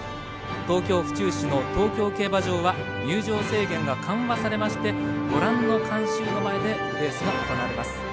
東京・府中市の東京競馬場は入場制限が緩和されましてご覧の観衆の前でレースが行われます。